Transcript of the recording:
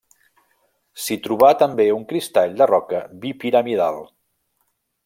S'hi trobà també un cristall de roca bipiramidal.